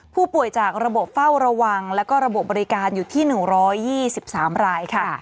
ผู้ป่วยจากระบบเฝ้าระวังแล้วก็ระบบบบริการอยู่ที่๑๒๓รายค่ะ